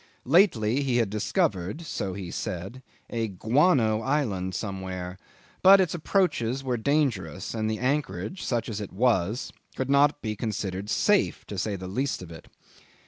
Lately he had discovered so he said a guano island somewhere, but its approaches were dangerous, and the anchorage, such as it was, could not be considered safe, to say the least of it.